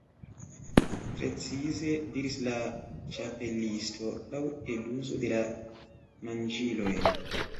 "Precize," diris la Ĉapelisto, "laŭ eluzo de la manĝiloj."